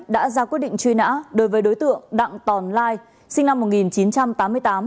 đã ra quyết định truy nã đối với đối tượng đặng tòn lai sinh năm một nghìn chín trăm tám mươi tám